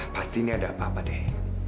pasti ini ada apa apa deh